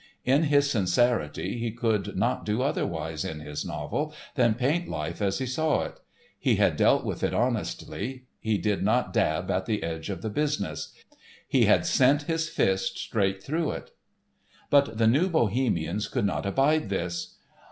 In his sincerity he could not do otherwise in his novel than paint life as he saw it. He had dealt with it honestly; he did not dab at the edge of the business; he had sent his fist straight through it. But the New Bohemians could not abide this.